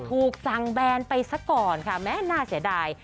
ถูกสั่งแบนไปซะก่อนค่ะแม้น่าเสียดาย